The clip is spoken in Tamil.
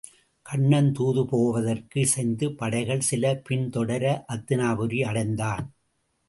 கண்ணன் தூது போவதற்கு இசைந்து படைகள் சில பின் தொடர அந்தினாபுரி அடைந்தான்.